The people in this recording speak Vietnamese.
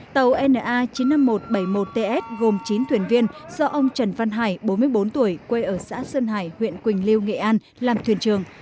tàu na chín mươi năm nghìn một trăm bảy mươi một ts gồm chín thuyền viên do ông trần văn hải bốn mươi bốn tuổi quê ở xã sơn hải huyện quỳnh lưu nghệ an làm thuyền trường